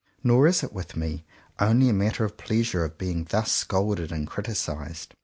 Nor is it with me only a matter of the pleasure of being thus scolded and criticised.